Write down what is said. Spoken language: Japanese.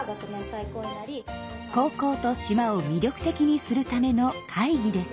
高校と島を魅力的にするための会議です。